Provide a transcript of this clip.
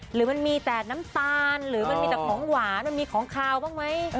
หรือมันมีแต่น้ำตาลหรือมันมีแต่ของหวานมันมีของขาวบ้างไหม